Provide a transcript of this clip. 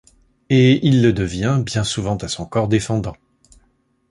Et il le devient, bien souvent à son corps défendant.